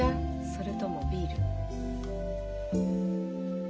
それともビール？